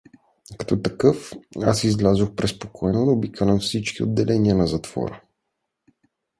Като такъв, аз излязах преспокойно да обикалям всичките отделения на затвора.